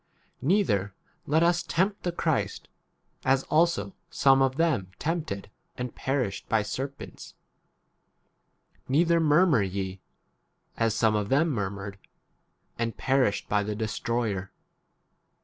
Neither let us tempt the Christ, d as also some of them tempted, and perished by 10 serpents. Neither murmur ye, as some of them e murmured, and 11 perished by the destroyer.